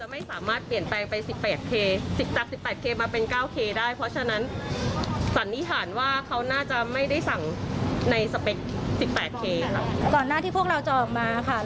ไม่พูดไม่เคลียร์อะไรเลยค่ะ